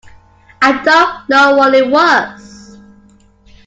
I don't know what it was.